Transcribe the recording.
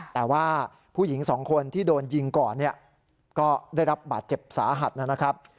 แต่ว่าผู้หญิงสองคนที่โดนยิงก่อนเนี่ยก็ได้รับบาดเจ็บสาหัสนะครับ